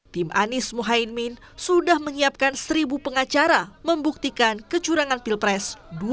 tim anies mohaimin sudah menyiapkan seribu pengacara membuktikan kecurangan pilpres dua ribu dua puluh empat